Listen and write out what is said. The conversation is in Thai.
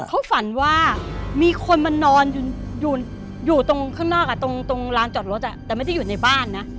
เขาฝันว่ามีคนมานอนอยู่ตรงข้างนอกตรงร้านจอดรถแต่ไม่ได้อยู่ในบ้านนะ